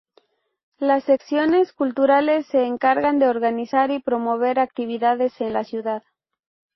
Las secciones culturales se encargan de organizar y promover actividades en la ciudad.